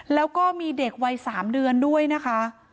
แล้วก็มีเด็กวัย๓เดือนด้วยนะคะ